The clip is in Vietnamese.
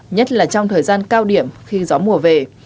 nhất là trong thời gian cao điểm khi gió mùa về